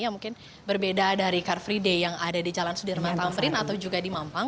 yang mungkin berbeda dari car free day yang ada di jalan sudirman tamrin atau juga di mampang